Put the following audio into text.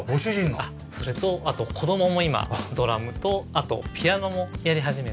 それとあと子供も今ドラムとあとピアノもやり始めて。